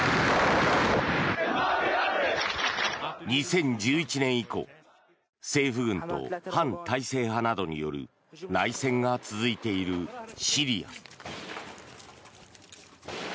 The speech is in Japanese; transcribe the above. ２０１１年以降政府軍と反体制派などによる内戦が続いているシリア。